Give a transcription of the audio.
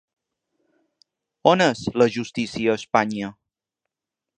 On és la justícia a Espanya?